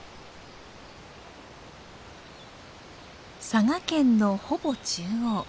佐賀県のほぼ中央。